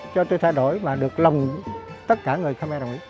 cho tôi thay đổi mà được lồng tất cả người khmer đồng ý